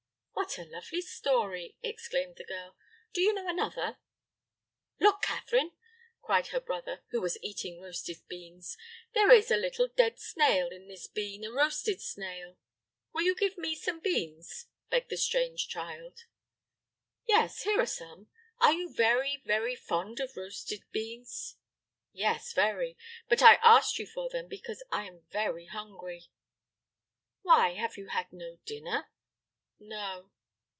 '" "What a lovely story!" exclaimed the girl. "Don't you know another?" "Look, Catherine," cried her brother, who was eating roasted beans; "there is a little dead snail in this bean, a roasted snail." "Will you give me some beans?" begged the strange child. "Yes, here are some. Are you very, very fond of roasted beans?" "Yes, very; but I asked you for them because I am very hungry." "Why, have you had no dinner?" "No."